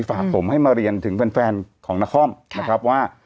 ฝากผมให้มาเรียนถึงแฟนของนครนะครับว่า